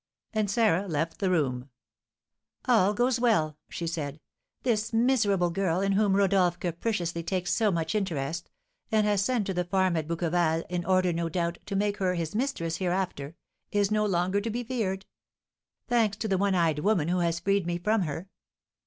And Sarah left the room. "All goes well," she said. "This miserable girl, in whom Rodolph capriciously takes so much interest, and has sent to the farm at Bouqueval, in order, no doubt, to make her his mistress hereafter, is no longer to be feared, thanks to the one eyed woman who has freed me from her.